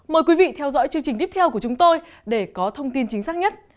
mời quý vị theo dõi chương trình tiếp theo của chúng tôi để có thông tin chính xác nhất